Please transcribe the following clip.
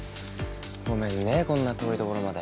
ごめんねこんな遠い所まで。